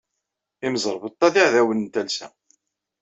Imẓeṛbeṭṭa d iɛdawen n talsa.